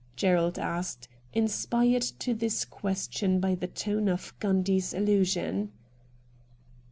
Gerald asked, inspired to this question by the tone of Gundy's allusion.